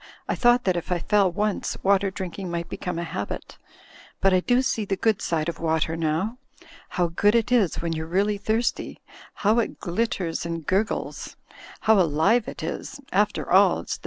I thought that if I feU once, water drinking might become a habit. But I do see the good side of water now. How good it is when you're really thirsty, how it glitters and gurgles ! How alive it is! After all, it's the